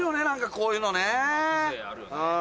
何かこういうのね。